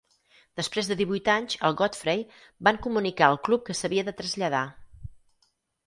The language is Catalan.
Després de divuit anys al Godfrey, van comunicar al club que s'havia de traslladar.